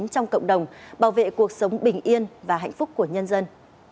trong cộng đồng bảo vệ cuộc sống bình yên và hạnh phúc của nhân dân